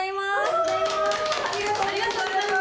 ありがとうございます。